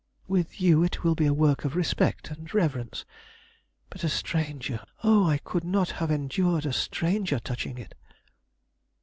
With you it will be a work of respect and reverence; but a stranger Oh, I could not have endured a stranger touching it."